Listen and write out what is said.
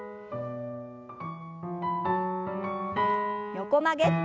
横曲げ。